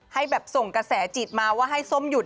ให้แบบส่งกระแสจิตมาว่าให้ส้มหยุด